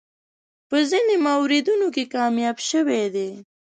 په ځینو موردونو کې کامیاب شوی دی.